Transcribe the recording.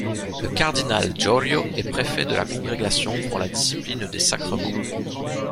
Le cardinal Jorio est préfet de la Congrégation pour la discipline des sacrements.